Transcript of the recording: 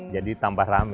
jadi tambah rame